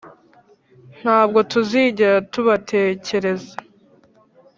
ntabwo tuzigera tubatekereza